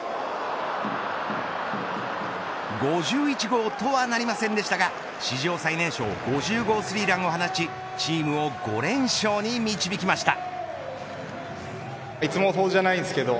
５１号とはなりませんでしたが史上最年少５０号スリーランを放ちチームを５連勝に導きました。